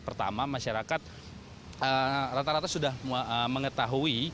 pertama masyarakat rata rata sudah mengetahui